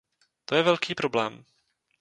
To je velký problém.